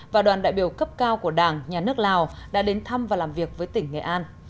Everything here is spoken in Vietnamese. và đoàn đại biểu cấp cao của đảng nhà nước lào đã đến thăm và làm việc với tỉnh nghệ an